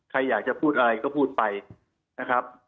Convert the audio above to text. ใครอยากจะพูดอะไรก็พูดไปนะครับ